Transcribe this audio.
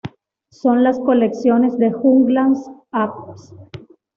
Son las colecciones de Juglans spp.